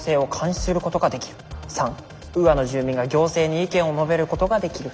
３ウーアの住民が行政に意見を述べることができる。